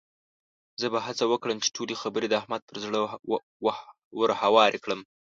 زه به هڅه وکړم چې ټولې خبرې د احمد پر زړه ورهوارې کړم.